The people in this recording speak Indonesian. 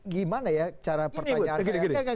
gimana ya cara pertanyaan saya